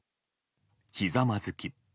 ひざまずき。